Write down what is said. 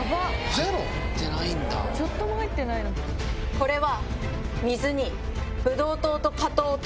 これは。